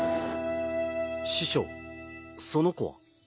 師匠その子は？